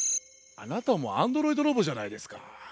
あなたもアンドロイドロボじゃないですか。